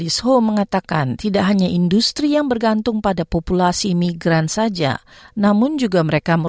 itu membatalkan kembang populasi dan membatalkan migrasi